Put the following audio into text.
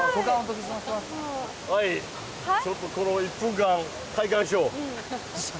ちょっとこの１分間を体感しよう。